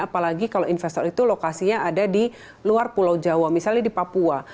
apalagi kalau investor itu lokasinya ada di luar pulau jawa misalnya di papua